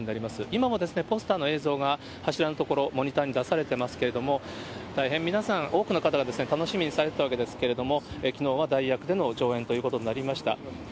今もポスターの映像が柱の所、モニターに出されていますけれども、大変皆さん多くの方が楽しみにされてたわけですけれども、きのうは代役での上演ということになりました。